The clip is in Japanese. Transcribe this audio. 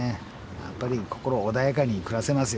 やっぱり心穏やかに暮らせますよ